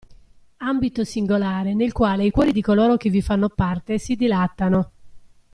Ambito singolare nel quale i cuori di coloro che vi fanno parte si dilatano.